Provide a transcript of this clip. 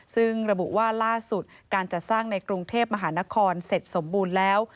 ซึ่งระบุว่าล่าสุดการจัดสร้างในกรุงเทพมหานครเสร็จสมบูรณ์แล้ว